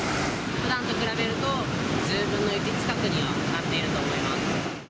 ふだんと比べると、１０分の１近くにはなっていると思います。